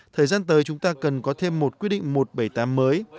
thời gian tới chúng ta cần có thêm một quyết định một trăm bảy mươi tám mới